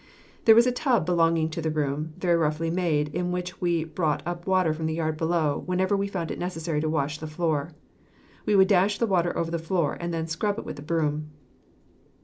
There was a tub belonging to the room, very roughly made, in which we brought up water from the yard below whenever we found it necessary to wash the floor. We would dash the water over the floor, and then scrub it with the broom.